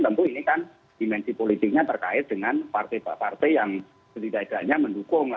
tentu ini kan dimensi politiknya terkait dengan partai partai yang setidaknya mendukung